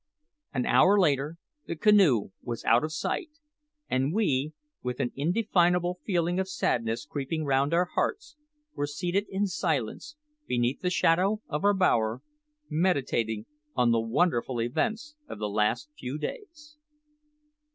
An hour later the canoe was out of sight; and we, with an indefinable feeling of sadness creeping round our hearts, were seated in silence beneath the shadow of our bower, meditating on the wonderful events of the last few days.